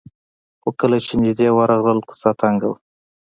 خو کله چې نژدې ورغلل کوڅه تنګه وه.